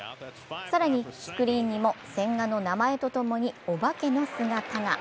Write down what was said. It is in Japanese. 更にスクリーンにも千賀の名前とともにお化けの姿が。